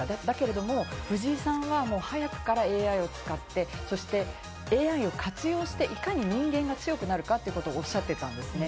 でも藤井さんは早くからＡＩを使ってＡＩを活用して、いかに人間が強くなるかということをおっしゃってたんですね。